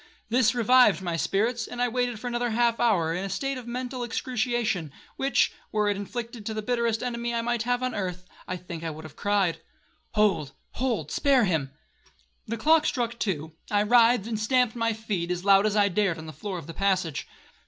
This revived my spirits, and I waited for another half hour in a state of mental excruciation, which, were it inflicted on the bitterest enemy I have on earth, I think I would have cried, 'Hold,—hold, spare him.' The clock struck two,—I writhed and stamped with my feet, as loud as I dared, on the floor of the passage.